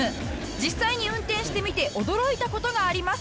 実際に運転してみて驚いた事があります